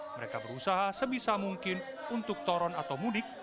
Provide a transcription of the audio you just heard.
mereka berusaha sebisa mungkin untuk toron atau mudik